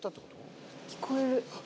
聞こえる。